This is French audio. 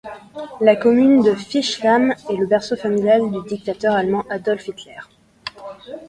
La commune de Fischlham est le berceau familial du dictateur allemand Adolf Hitler.